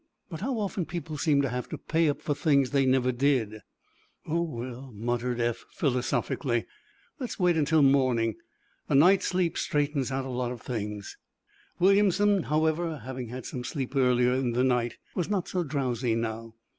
But how often people seem to have to pay up for things they never did!" "Oh, well," muttered Eph, philosophically, "let's wait until morning. A night's sleep straightens out a lot of things." Williamson, however, having had some sleep earlier in the night, was not drowsy, now.